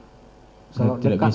kalau dekat nanti